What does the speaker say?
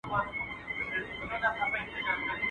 o چرگه مي ناجوړه کې، پلمه مي ورته جوره کې.